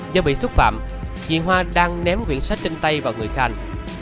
do bị xúc phạm chị hoa đang ném quyển sách trên tay vào người khanh